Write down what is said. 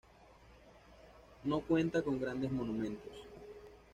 No cuenta con grandes monumentos.